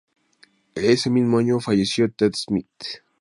Ese mismo año falleció Ted Smith.